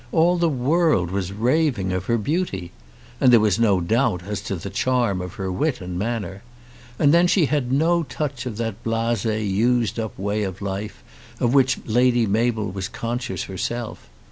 All the world was raving of her beauty. And there was no doubt as to the charm of her wit and manner. And then she had no touch of that blasé used up way of life of which Lady Mabel was conscious herself.